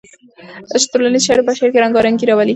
ټولنیز شرایط په شعر کې رنګارنګي راولي.